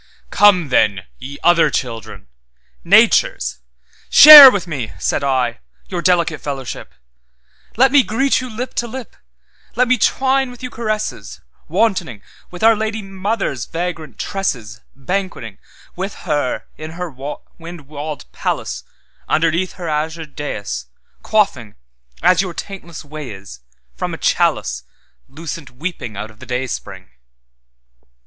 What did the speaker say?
'Come then, ye other children, Nature's—shareWith me' (said I) 'your delicate fellowship; Let me greet you lip to lip, Let me twine with you caresses, WantoningWith our Lady Mother's vagrant tresses, BanquetingWith her in her wind walled palace, Underneath her azured daïs, Quaffing, as your taintless way is, From a chaliceLucent weeping out of the dayspring.